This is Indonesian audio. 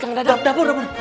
kamar mandi kang dadang